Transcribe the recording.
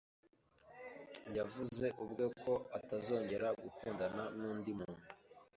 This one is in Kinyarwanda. Yavuze ubwe ko atazongera gukundana n'undi muntu.